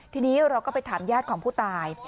ทีนี้เราก็ไปถามญาติของผู้ตาย